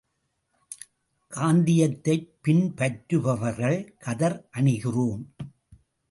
காந்தியத்தைப் பின்பற்றுபவர்கள் கதர் அணிகிறோம்.